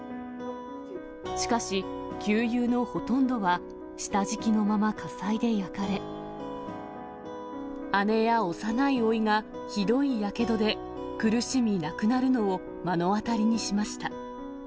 しかし級友のほとんどは、下敷きのまま、火災で焼かれ、姉や幼いおいが、ひどいやけどで苦しみ、亡くなるのを目の当たりにしました。